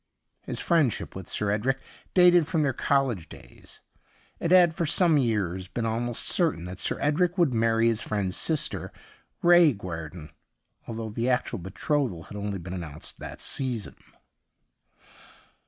His friendship with Sir Edric dated from their college days. It had for some years been almost certain that Sir Edric would marry his friend's sister, Ray Guer don, although the actual betrothal had only been announced that sea son.